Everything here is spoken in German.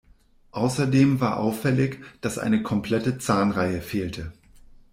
Außerdem war auffällig, dass eine komplette Zahnreihe fehlte.